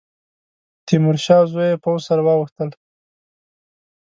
تیمورشاه او زوی یې پوځ سره واوښتل.